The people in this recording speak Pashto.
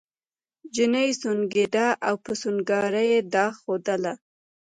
چیني سونګېده او په سونګاري یې دا ښودله.